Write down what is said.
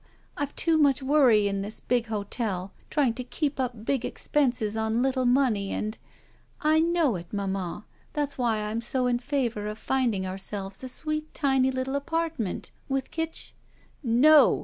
I've too much worry in this big hotel trying to keep up big expenses on little money and —" "I know it, mamma. That's why I'm so in favor of finding ourselves a sweet, tiny little apartment with kitch— " "No!